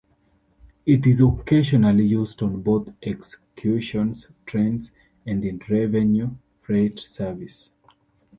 It is occasionally used on both excursion trains and in revenue freight service.